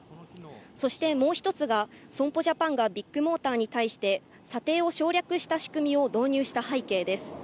そして、もう１つが損保ジャパンがビッグモーターに対して査定を省略した仕組みを導入した背景です。